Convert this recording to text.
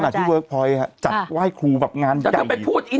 เธอจัดว่ายครูงานใหญ่